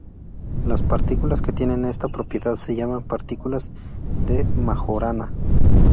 Las partículas que tienen esta propiedad se llaman partículas de Majorana.